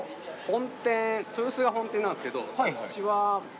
本店豊洲が本店なんですけどうちは。